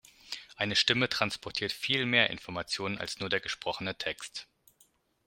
Eine Stimme transportiert viel mehr Information als nur den gesprochenen Text.